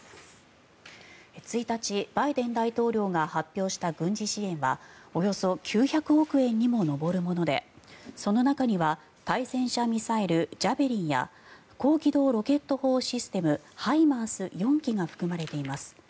１日、バイデン大統領が発表した軍事支援はおよそ９００億円にも上るものでその中には対戦車ミサイルジャベリンや高機動ロケット砲システムＨＩＭＡＲＳ４基が含まれています。